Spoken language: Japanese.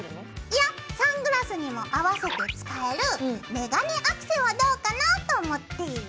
いやサングラスにも合わせて使えるメガネアクセはどうかなと思って。